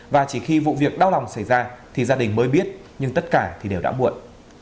và chỉ khi vụ việc đau lòng xảy ra thì gia đình mới biết nhưng tất cả thì đều đã muộn